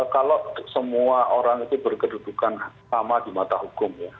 kalau semua orang itu berkedudukan sama di mata hukum ya